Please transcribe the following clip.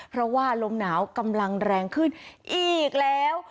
เพราะว่าลมหนาวกำลังแรงขึ้นอีกแล้ว